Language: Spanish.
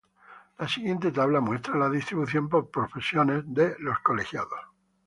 La siguiente tabla muestra la distribución por profesiones de los colegiados.